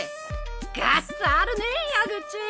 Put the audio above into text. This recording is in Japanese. ガッツあるね矢口！